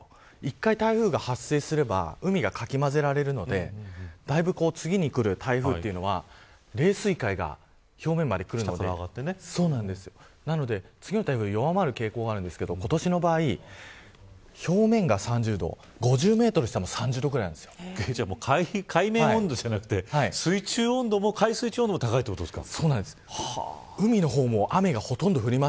一回、台風が発生すれば海がかき混ぜられるのでだいぶ、次に来る台風というのは冷水界が表面までくるので次の台風は弱まる傾向があるんですが今年の場合、表面が３０度５０メートル下も海面温度じゃなくて水中温度も高いということですか。